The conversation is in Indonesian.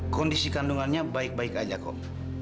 kondisi kandungannya baik baik aja kok